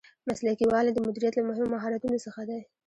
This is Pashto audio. مسلکي والی د مدیریت له مهمو مهارتونو څخه دی.